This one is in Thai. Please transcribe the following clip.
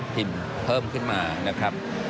กินเพิ่มขึ้นมานะครับ